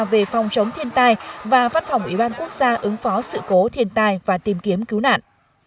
về phòng chống thiên tai và văn phòng ủy ban quốc gia ứng phó sự cố thiên tai và tìm kiếm cứu nạn